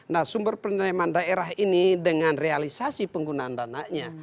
nah sumber penerimaan daerah ini dengan realisasi penggunaan dananya